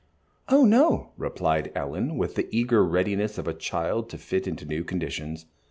"Oh, no," replied Ellen, with the eager readiness of a child to fit into new conditions.